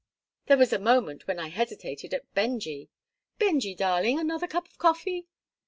There was a moment when I hesitated at 'Benjy' 'Benjy, darling, another cup of coffee?